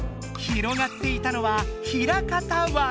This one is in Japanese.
広がっていたのは平潟湾。